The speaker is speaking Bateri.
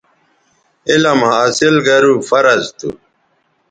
علم حاصل گرو فرض تھو